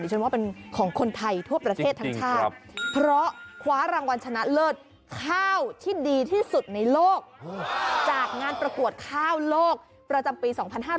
ฉันว่าเป็นของคนไทยทั่วประเทศทั้งชาติเพราะคว้ารางวัลชนะเลิศข้าวที่ดีที่สุดในโลกจากงานประกวดข้าวโลกประจำปี๒๕๕๙